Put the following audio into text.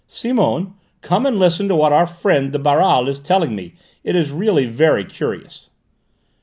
"Simone, come and listen to what our friend de Baral is telling me: it is really very curious."